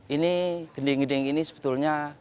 ini gending gending ini sebetulnya